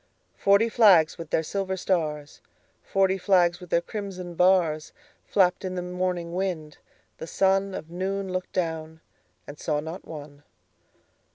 Forty flags with their silver stars, Forty flags with their crimson bars, Flapped in the morning wind: the sunOf noon looked down, and saw not one.